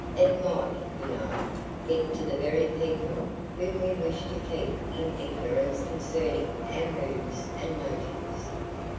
It might, you know, get to the very people whom we wish to keep in ignorance concerning our moves and motives."